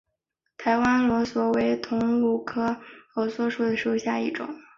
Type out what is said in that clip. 台湾梭罗为梧桐科梭罗树属下的一个种。